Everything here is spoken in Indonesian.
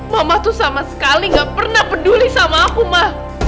mama tuh sama sekali gak pernah peduli sama aku mah